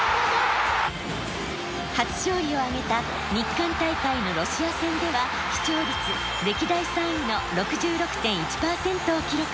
初勝利を挙げた日韓大会のロシア戦では視聴率歴代３位の６６．１％を記録。